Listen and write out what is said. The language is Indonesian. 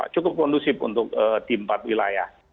cukup kondusif untuk di empat wilayah